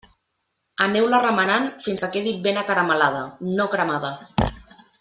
Aneu-la remenant fins que quedi ben acaramel·lada, no cremada.